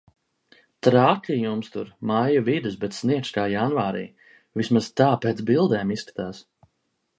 Traki jums tur. Maija vidus, bet sniegs kā janvārī. Vismaz tā pēc bildēm izskatās.